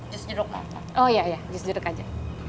jus jeruk oh iya iya jus jeruk aja